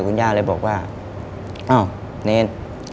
คุณย่าเลยบอกว่าอ้าวเนร